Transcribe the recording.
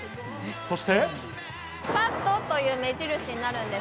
そして。